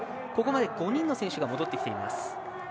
ここまで５人の選手が戻ってきています。